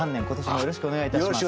よろしくお願いします。